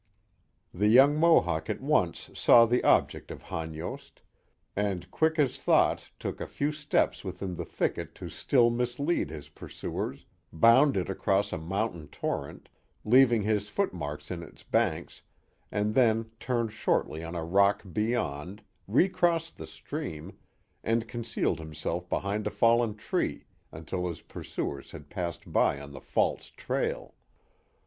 The young Mohawk at once saw the object of Hanyost, and quick as thought took a few steps within the thicket to still mislead his pursuers, bounded across a mountain torrent, leaving his footmarks in its banks, and then turned shortly on a rock beyond, re crossed the stream, and concealed himself behind a fallen tree, until his pursurers had passed by on the false trail.